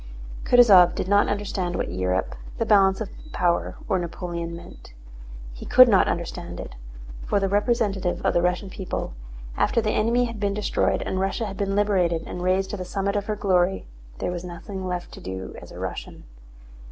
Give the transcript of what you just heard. Kutúzov did not understand what Europe, the balance of power, or Napoleon meant. He could not understand it. For the representative of the Russian people, after the enemy had been destroyed and Russia had been liberated and raised to the summit of her glory, there was nothing left to do as a Russian.